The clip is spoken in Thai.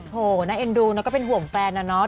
โธ่น่าเอ็นดูก็เป็นห่วงแฟนนะ